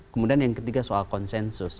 kemudian yang ketiga soal konsensus